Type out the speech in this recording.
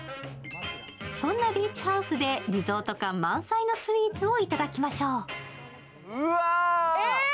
そんなビーチハウスでリゾート感満載のスイーツをいただきましょう。